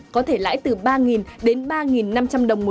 có thể lãi từ ba đến ba năm trăm linh đồng một